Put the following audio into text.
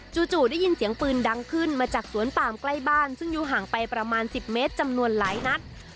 จู่ได้ยินเสียงปืนดังขึ้นมาจากสวนปามใกล้บ้านซึ่งอยู่ห่างไปประมาณ๑๐เมตรจำนวนหลายนัด